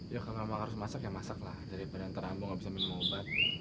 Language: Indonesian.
ya kalau ambo harus masak ya masak lah daripada nanti ambo gak bisa minum obat